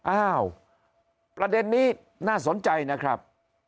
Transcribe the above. อ้าวประเด็นนี้น่าสนใจนะครับ